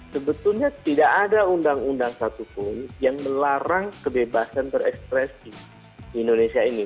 sebetulnya tidak ada undang undang satupun yang melarang kebebasan berekspresi di indonesia ini